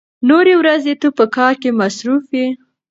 نورې ورځې ته په کار کې مصروف يې.